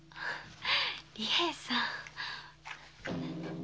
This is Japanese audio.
利平さん。